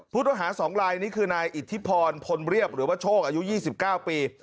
ผู้ต้องหา๒ลายนี้คือนายอิทธิพรพลเรียบหรือว่าโชคอายุ๒๙ปี